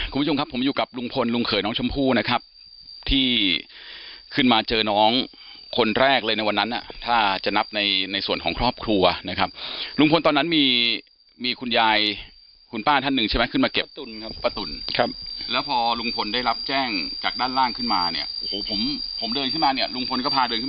คุณผู้ชมครับผมอยู่กับลุงพลลุงเขยน้องชมพู่นะครับที่ขึ้นมาเจอน้องคนแรกเลยในวันนั้นอ่ะถ้าจะนับในในส่วนของครอบครัวนะครับลุงพลตอนนั้นมีมีคุณยายคุณป้าท่านหนึ่งใช่ไหมขึ้นมาเก็บตุ๋นครับป้าตุ๋นครับแล้วพอลุงพลได้รับแจ้งจากด้านล่างขึ้นมาเนี่ยโอ้โหผมผมเดินขึ้นมาเนี่ยลุงพลก็พาเดินขึ้น